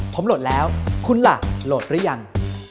ผมโหลดแล้วคุณล่ะโหลดหรือยัง